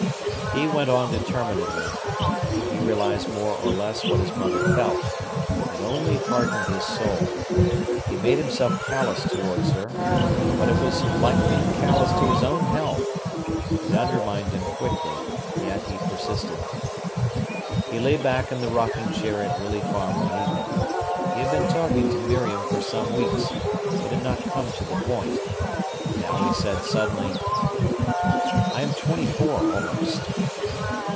He went on determinedly. He realised more or less what his mother felt. It only hardened his soul. He made himself callous towards her; but it was like being callous to his own health. It undermined him quickly; yet he persisted. He lay back in the rocking chair at Willey Farm one evening. He had been talking to Miriam for some weeks, but had not come to the point. Now he said suddenly: "I am twenty four, almost."